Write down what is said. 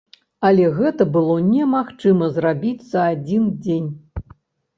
Але гэта было немагчыма зрабіць за адзін дзень.